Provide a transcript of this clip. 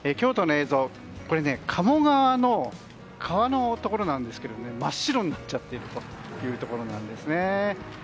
これ、鴨川の川のところなんですけど真っ白になっちゃっているというところなんですね。